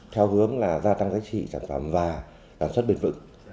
theo hướng gia tăng giá trị sản phẩm và sản xuất bền vựng